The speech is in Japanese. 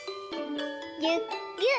ぎゅっぎゅっ。